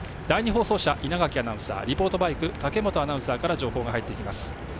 第２放送車稲垣アナウンサーリポートバイク武本アナウンサーから情報が入ってきます。